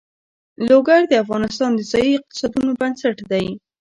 لوگر د افغانستان د ځایي اقتصادونو بنسټ دی.